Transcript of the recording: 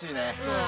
うん。